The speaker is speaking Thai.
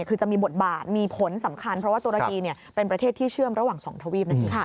คือจะมีบทบาทมีผลสำคัญเพราะว่าตุรกีเป็นประเทศที่เชื่อมระหว่าง๒ทวีปนั่นเอง